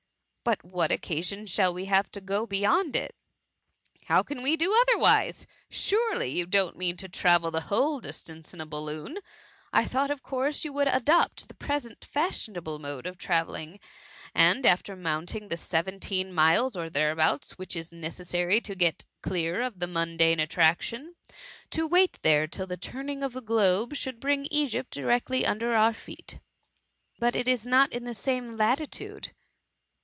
^^ But what occasion shall we have to go be yond it ?"*• How can we do otherwise ? Surely you 176 THE MVHMY. don^t mean to travel the whole distance in the balloon ? I thought, of course, you would adopt the present fashionable mode of travelling, and after mounting the seventeen miles or there abouts, which is necessary to get clear of the mundane attraction, to wait there till the turn ing of the globe should bring Egypt directly under our feet." ^^ But it is not in the same latitude."